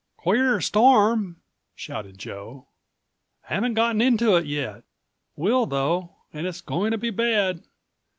"Queer storm," shouted Joe. "Haven't gotten into it yet. Will though and it's going to be bad.